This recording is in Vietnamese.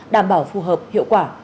đảm bảo phù hợp hiệu quả